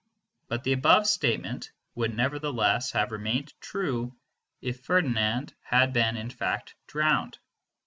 But the above statement would nevertheless have remained true if Ferdinand had been in fact drowned.